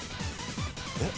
えっ？